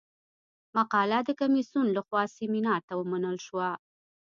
مقاله د کمیسیون له خوا سیمینار ته ومنل شوه.